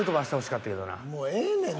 もうええねん